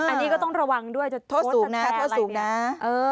อันนี้ก็ต้องระวังด้วยจะโพสต์แทรกอะไรแบบนี้